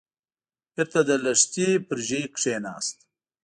بېرته د لښتي پر ژۍ کېناست.